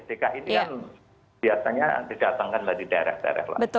dki ini kan biasanya didatangkan dari daerah daerah lain